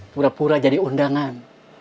pura pura jadi undangan